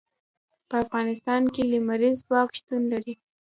په افغانستان کې لمریز ځواک شتون لري.